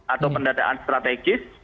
atau pendataan strategis